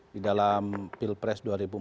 di dalam pilpres dua ribu empat belas